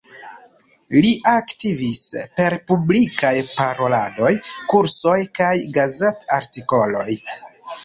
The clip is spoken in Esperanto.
Li aktivis per publikaj paroladoj, kursoj kaj gazet-artikoloj.